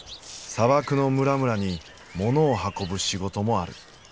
砂漠の村々に物を運ぶ仕事もある。